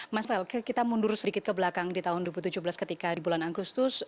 mas pel kita mundur sedikit ke belakang di tahun dua ribu tujuh belas ketika di bulan agustus